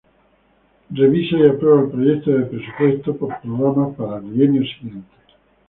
Revisa y aprueba el proyecto de presupuesto por programas para el bienio siguiente.